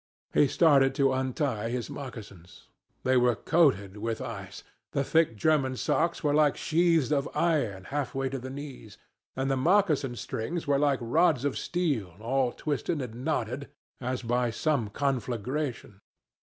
He started to untie his moccasins. They were coated with ice; the thick German socks were like sheaths of iron half way to the knees; and the mocassin strings were like rods of steel all twisted and knotted as by some conflagration.